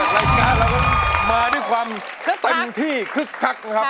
รายการเราก็มาด้วยความเต็มที่คึกคักนะครับ